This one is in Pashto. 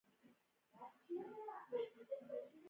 دا ډول جوړښتونه عادلانه نشي ګڼل کېدای.